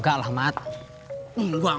habis kapten hadir tau